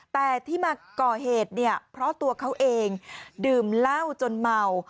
แต่ที่มาก่อเหตุเนี่ยเพราะตัวเขาเองดื่มเหล้าจนเมา